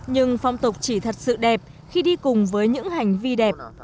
nhưng phong tục chỉ thật sự đẹp khi đi cùng với những hành vi đẹp